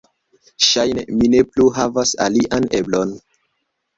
"Ŝajne mi ne plu havas alian eblon."